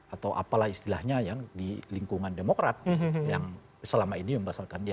atau apalah istilahnya yang di lingkungan demokrat yang selama ini membasalkan dia